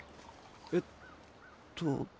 えっと？